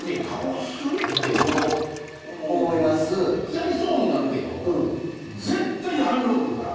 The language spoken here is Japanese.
やりそうになるけど絶対反論来るから。